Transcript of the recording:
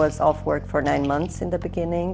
saya bekerja selama sembilan bulan di awal